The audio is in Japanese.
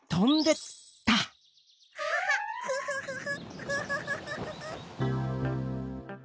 ハハっフフフフ！